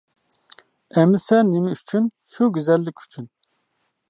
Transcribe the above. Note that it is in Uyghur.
ئەمسە نېمە ئۈچۈن؟ شۇ گۈزەللىك ئۈچۈن.